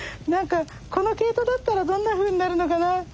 何かこの毛糸だったらどんなふうになるのかな